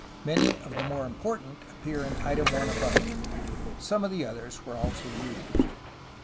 Many of the more im portant appear in item 1 above. Some of the others were also used.